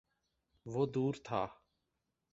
وہ دور تھا۔